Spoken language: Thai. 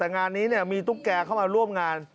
แต่งานนี้มีตุ๊กแกเข้ามาร่วมงาน